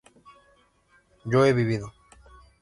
yo he vivido